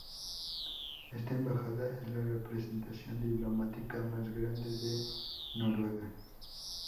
Esta Embajada es la representación diplomática más grande de Noruega.